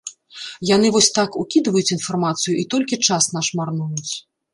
Яны вось так укідваюць інфармацыю і толькі час наш марнуюць.